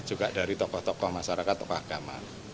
juga dari tokoh tokoh masyarakat tokoh agama